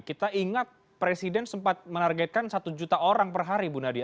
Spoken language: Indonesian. kita ingat presiden sempat menargetkan satu juta orang per hari bu nadia